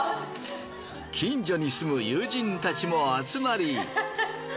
近所に住む友人たちも集まり。